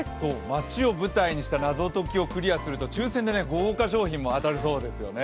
街を舞台にした謎解きをクリアすると抽せんで豪華賞品も当たるそうですよね。